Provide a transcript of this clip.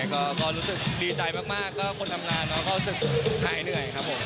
ก็รู้สึกดีใจมากก็คนทำงานก็รู้สึกหายเหนื่อยครับผม